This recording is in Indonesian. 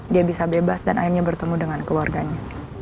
dia bisa bebas dan akhirnya bertemu dengan keluarganya